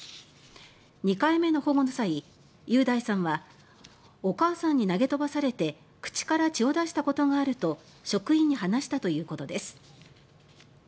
２回目の保護の際雄大さんはお母さんに投げ飛ばされて口から血を出したことがあると職員に話したということです。